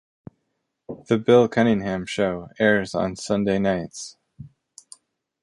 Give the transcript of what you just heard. "The Bill Cunningham Show" airs on Sunday nights.